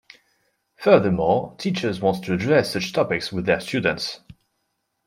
Furthermore, teachers want to address such topics with their students.